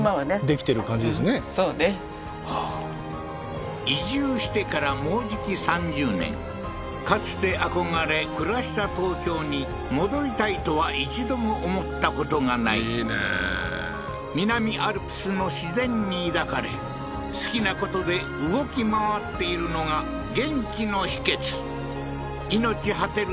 はい移住してからもうじき３０年かつて憧れ暮らした東京に戻りたいとは一度も思ったことがないいいねー南アルプスの自然に抱かれ好きなことで動き回っているのが元気の秘けつ命果てる